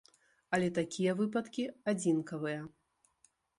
Але такія выпадкі адзінкавыя.